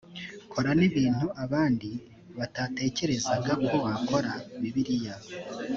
kora n ibintu abandi batatekerezaga ko wakora bibiliya